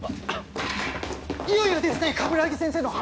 いよいよですね鏑木先生の晴れ舞台。